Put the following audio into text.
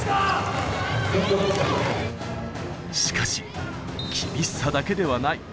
しかし、厳しさだけではない。